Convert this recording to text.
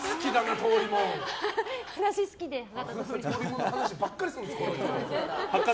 通りもんの話ばっかりするんですよ。